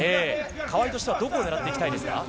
川井としてはどこを狙っていきたいですか？